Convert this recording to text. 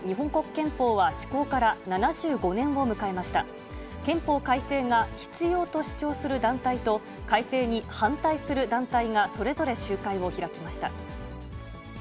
憲法改正が必要と主張する団体と、改正に反対する団体がそれぞれ集会を開きました。